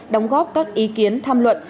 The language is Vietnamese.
đóng góp các ý kiến tham luận